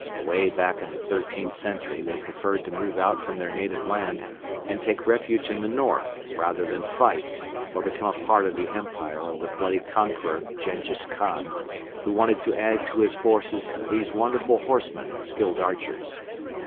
Away back in the thirteenth century they preferred to move out from their native land and take refuge in the north rather than fight or become a part of the empire of the bloody conqueror Jenghiz Khan, who wanted to add to his forces these wonderful horsemen and skilled archers.